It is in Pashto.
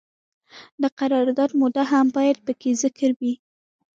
د قرارداد موده هم باید پکې ذکر وي.